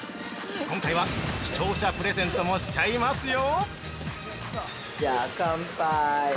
今回は、視聴者プレゼントもしちゃいますよ。